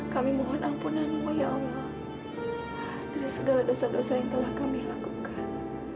kami mohon ampunanmu ya allah dari segala dosa dosa yang telah kami lakukan